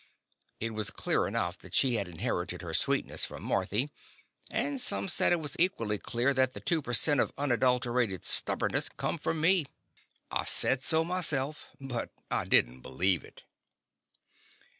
It was clear enough that she had in herited her sweetness from Marthy; and some said it was equal clear that the two per cent, of unadulterated stubbornness come from me. I said so myself, but I did n't believe it.